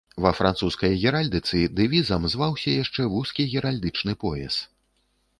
Ва французскай геральдыцы дэвізам зваўся яшчэ вузкі геральдычны пояс.